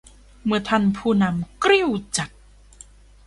เมื่อท่านผู้นำกริ้วจัด